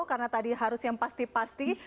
karena tadi harus yang pasti pasti